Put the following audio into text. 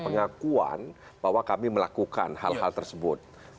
pengakuan bahwa kami melakukan hal hal tersebut